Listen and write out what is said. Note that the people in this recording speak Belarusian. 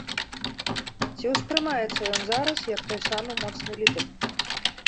Ці ўспрымаецца ён зараз як той самы моцны лідэр?